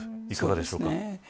いかがでしょうか。